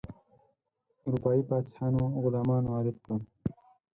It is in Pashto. اروپایي فاتحانو غلامان وارد کړل.